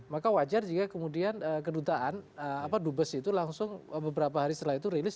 maka wajar jika kemudian kedutaan dubes itu langsung beberapa hari setelah itu rilis